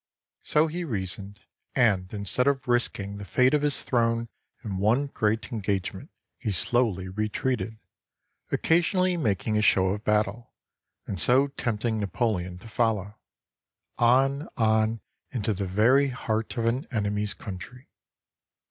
So he reasoned, and, instead of risking the fate of his throne in one great engage ment, he slowly retreated, occasionally making a show of battle, and so tempting Napoleon to follow, — on, on, into the very heart of an enemy's country.